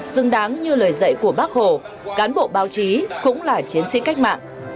xứng đáng như lời dạy của bác hồ cán bộ báo chí cũng là chiến sĩ cách mạng